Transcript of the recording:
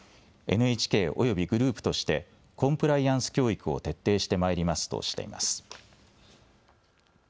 ＮＨＫおよびグループとしてコンプライアンス教育を徹底してまいりますとしています。